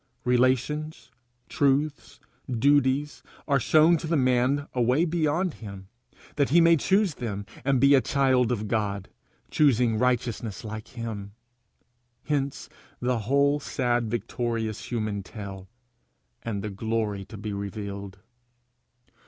Relations, truths, duties, are shown to the man away beyond him, that he may choose them, and be a child of God, choosing righteousness like him. Hence the whole sad victorious human tale, and the glory to be revealed!